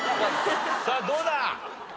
さあどうだ？